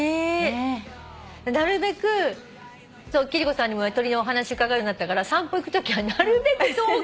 なるべく貴理子さんにも鳥の話伺うようになったから散歩行くときはなるべく遠くを。